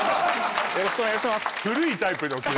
よろしくお願いします